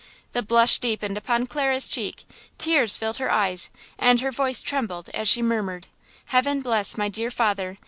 The blush deepened upon Clara's cheek, tears filled her eyes, and her voice trembled as she murmured: "Heaven bless my dear father!